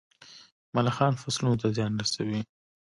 ملخان فصلونو ته زیان رسوي.